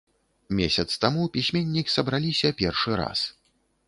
Месяц таму пісьменнік сабраліся першы раз.